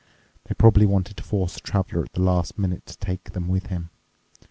They probably wanted to force the Traveler at the last minute to take them with him.